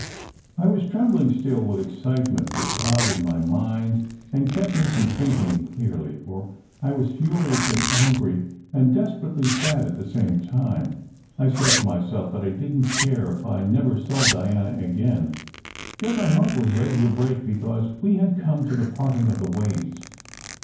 I was trembling still with excitement which clouded my mind and kept me from thinking clearly; for I was furiously angry and desperately sad at the same time. I said to myself that I didn t care if I never saw Diana again; yet my heart was ready to break because we had come to the parting of the ways.